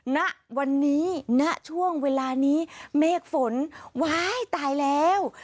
ณวันนี้ณช่วงเวลานี้เมฆฝนว้ายตายแล้ว